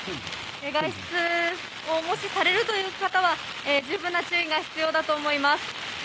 外出をもしされる方は十分な注意が必要だと思います。